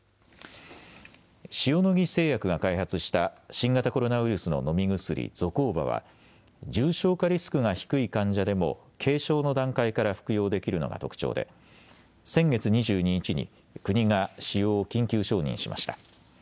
塩野義製薬が開発した新型コロナウイルスの飲み薬、ゾコーバは、重症化リスクが低い患者でも軽症の段階から服用できるのが特徴で、先月２２日に、国が使用を緊急承認しました。